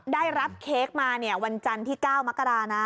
ได้รับเค้กมาวันจันทร์ที่๙มกรานะ